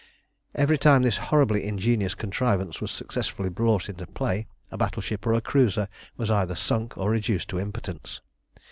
Every time this horribly ingenious contrivance was successfully brought into play a battleship or a cruiser was either sunk or reduced to impotence.